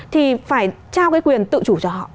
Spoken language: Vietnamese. thì phải trao cái quyền tự chủ cho họ